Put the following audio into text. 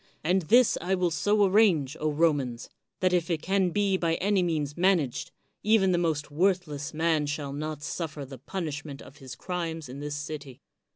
And this I will so arrange, Romans, that if it can be by any means managed, even the most worthless man shall not suffer the punishment of his crimes in this city.